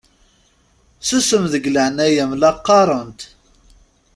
Susem deg leɛnaya-m la qqaṛent!